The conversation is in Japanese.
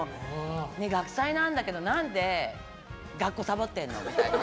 学祭なんだけど何で学校サボってるの？みたいな。